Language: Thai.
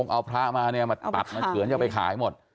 เอาพระมาปัดเหนือนจะไปขายหมด